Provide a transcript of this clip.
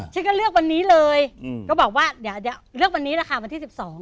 ฉันก็เลือกวันนี้เลยก็บอกว่าเดี๋ยวเลือกวันนี้แหละค่ะวันที่๑๒